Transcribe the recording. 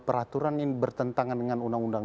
peraturan yang bertentangan dengan undang undang